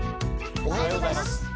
おはようございます。